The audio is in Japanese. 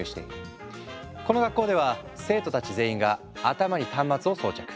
この学校では生徒たち全員が頭に端末を装着。